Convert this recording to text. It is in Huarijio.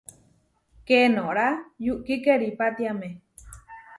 Keenorá yukí keripátiame.